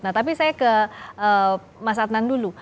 nah tapi saya ke mas adnan dulu